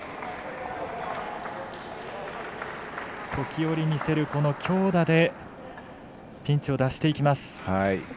時折見せる、強打でピンチを脱していきます。